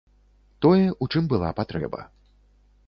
Тое, у чым была патрэба.